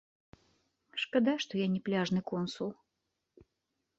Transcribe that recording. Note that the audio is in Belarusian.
Шкада, што я не пляжны консул.